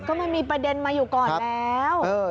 ก็มันมีประเด็นมาอยู่ก่อนแล้ว